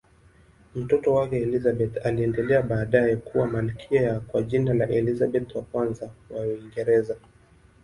Mtoto wake Elizabeth aliendelea baadaye kuwa malkia kwa jina la Elizabeth I wa Uingereza.